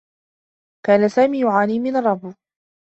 كان سامي يعاني من الرّبو.